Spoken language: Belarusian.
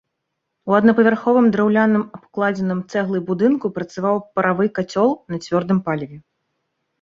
У аднапавярховым драўляным абкладзеным цэглай будынку працаваў паравы кацёл на цвёрдым паліве.